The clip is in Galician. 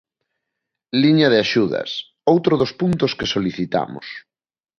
Liña de axudas, outro dos puntos que solicitamos.